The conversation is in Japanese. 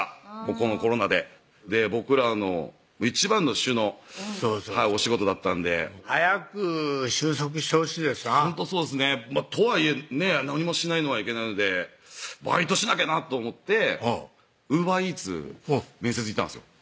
このコロナで僕らの一番の主のお仕事だったんで早く収束してほしいですなほんとそうですねとはいえ何もしないのはいけないのでバイトしなきゃなと思ってＵｂｅｒＥａｔｓ面接行ったんですよ